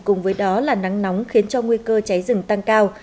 cùng với đó là nắng nóng khiến cho nguy cơ cháy rừng tăng cao